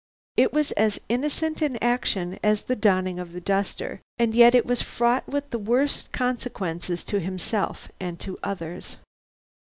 It was as innocent an action as the donning of the duster, and yet it was fraught with the worst consequences to himself and others.